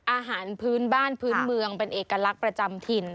อาหารพื้นบ้านพื้นเมืองเป็นเอกลักษณ์ประจำถิ่น